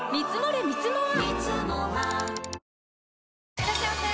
いらっしゃいませ！